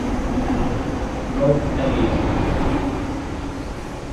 Love Stage!!